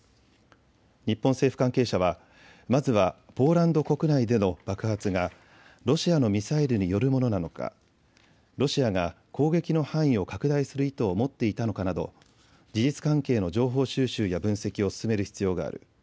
日本政府関係者はまずはポーランド国内での爆発がロシアのミサイルによるものなのか、ロシアが攻撃の範囲を拡大する意図を持っていたのかなど事実関係の情報収集や分析を進める必要がある。